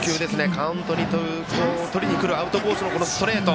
カウントをとりにくるアウトコースのストレート。